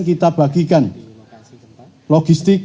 kita bagikan logistik